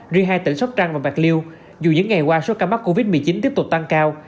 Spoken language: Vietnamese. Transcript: riêng hai tỉnh sóc trăng và bạc liêu dù những ngày qua số ca mắc covid một mươi chín tiếp tục tăng cao